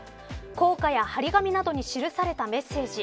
硬貨や貼り紙などに記されたメッセージ。